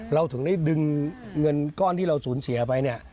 เราถึงได้ดึงเงินก้อนที่เราสูญเสียไปเนี่ย